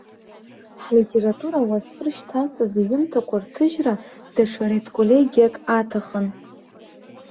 Ҳлитература ауасхыр шьҭазҵаз иҩымҭақәа рҭыжьра даҽа редколлегиак аҭахын.